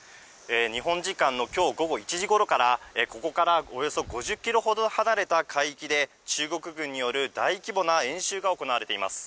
日本時間のきょう午後１時ごろから、ここからおよそ５０キロほど離れた海域で中国軍による大規模な演習が行われています。